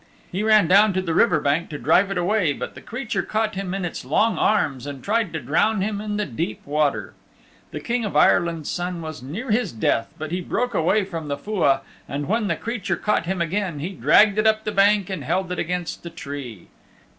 He ran down to the river bank to drive it away, but the creature caught him in its long arms and tried to drown him in the deep water. The King of Ireland's Son was near his death, but he broke away from the Fua, and when the creature caught him again, he dragged it up the bank and held it against a tree.